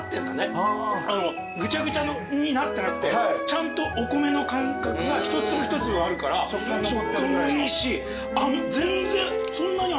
ぐちゃぐちゃになってなくてちゃんとお米の感覚が一粒一粒あるから食感もいいし全然そんなに甘くないんですよね。